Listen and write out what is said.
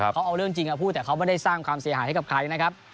เขาเอาเรื่องจริงมาพูดแต่เขาไม่ได้สร้างความเสียหายให้กับใครนะครับ